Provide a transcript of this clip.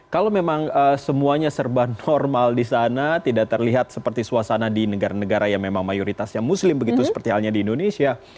kalau memang semuanya serba normal di sana tidak terlihat seperti suasana di negara negara yang memang mayoritasnya muslim begitu seperti halnya di indonesia